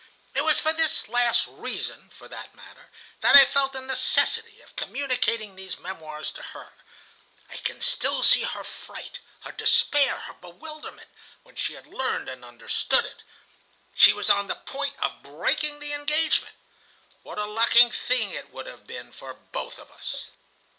It was for this last reason, for that matter, that I felt the necessity of communicating these memoirs to her. I can still see her fright, her despair, her bewilderment, when she had learned and understood it. She was on the point of breaking the engagement. What a lucky thing it would have been for both of us!"